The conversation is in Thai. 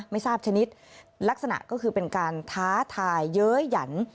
ไม่ทราบชนิดลักษณะก็คือเป็นการท้าทายเย้ยหยัน